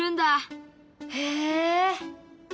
へえ。